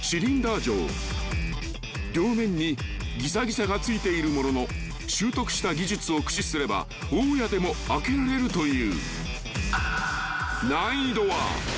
［両面にぎざぎざが付いているものの習得した技術を駆使すれば大家でも開けられるという］